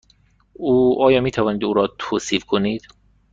آیا می توانید او را توصیف کنید؟